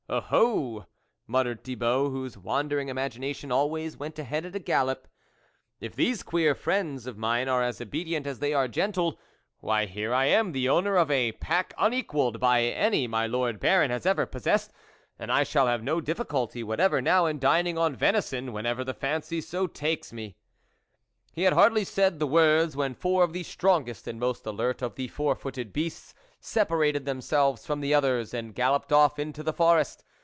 " Oh I ho !" muttered Thibault, whose wandering imagination always went ahead at a gallop, " if these queer friends of mine are as obedient as they are gentle, why, here I am, the owner of a pack unequalled by any my Lord Baron has ever possess ed, and I shall have no difficulty what ever now in dining on venison whenever the fancy so takes me." He had hardly said the words, when four of the strongest and most alert of the four footed beasts separated themselves from the others and galloped off into the forest.